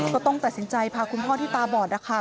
ก็ต้องตัดสินใจพาคุณพ่อที่ตาบอดนะคะ